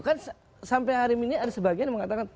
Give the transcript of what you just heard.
kan sampai hari ini ada sebagian yang mengatakan